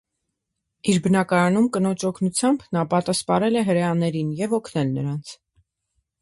Իր բնակարանում կնոջ օգնությամբ նա պատսպարել է հրեաներին և օգնել նրանց։